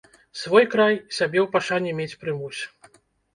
Свой край, сябе ў пашане мець прымусь.